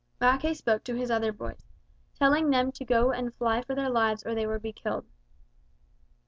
Mackay spoke to his other boys, telling them to go and fly for their lives or they would be killed.